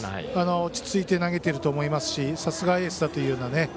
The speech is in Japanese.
落ち着いて投げていると思いますしさすがエースだというようなね。